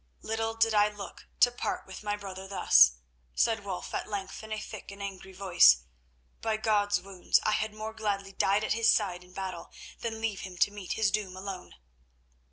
"Little did I look to part with my brother thus," said Wulf at length in a thick and angry voice. "By God's Wounds! I had more gladly died at his side in battle than leave him to meet his doom alone."